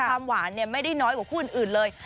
แต่ความหวานเนี่ยไม่ได้น้อยกว่าคู่อื่นอื่นเลย